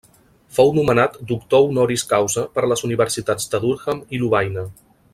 Fou nomenat doctor honoris causa per les universitats de Durham i Lovaina.